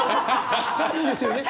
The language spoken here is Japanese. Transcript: いいんですよね？